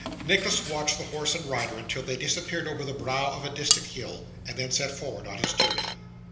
Nicholas watched the horse and rider until they disappeared over the brow of a distant hill, and then set forward on his journey.